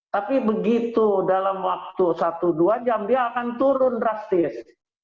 tapi begitu dalam waktu satu dua jam dia akan turun drastis